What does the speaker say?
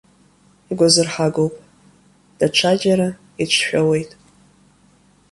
Игәазырҳагоуп, даҽаџьара иҿшәауеит.